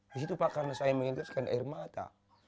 di situ pak karena saya mengentaskan air mata